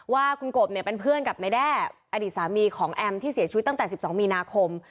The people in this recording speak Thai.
ว่าคุณกบเนี่ยเป็นเพื่อนกับนายแด้อดีตสามีของแอมที่เสียชีวิตตั้งแต่๑๒มีนาคม